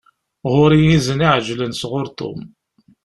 Ɣur-i izen iεeǧlen sɣur Tom.